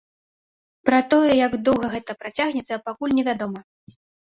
Пра тое, як доўга гэта працягнецца, пакуль невядома.